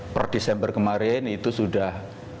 per desember kemarin itu sudah